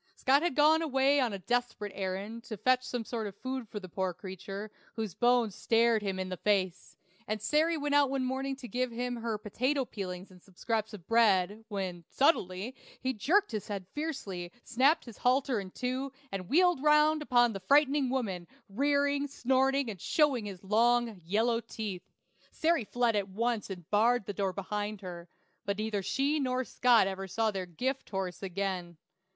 Scott had gone away on a desperate errand, to fetch some sort of food for the poor creature, whose bones stared him in the face, and Sary went out one morning to give him her potato peelings and some scraps of bread, when, suddenly, he jerked his head fiercely, snapped his halter in two, and wheeled round upon the frightened woman, rearing, snorting, and showing his long, yellow teeth. Sary fled at once and barred the door behind her; but neither she nor Scott ever saw their "gift horse" again.